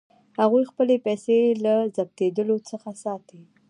هغوی خپلې پیسې له ضبظېدلو څخه ساتي.